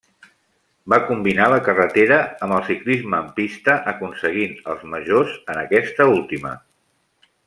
Va combinar la carretera amb el ciclisme en pista, aconseguint els majors en aquesta última.